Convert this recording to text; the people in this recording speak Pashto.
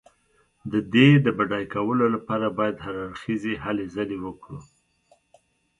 د دې د بډای کولو لپاره باید هر اړخیزې هلې ځلې وکړو.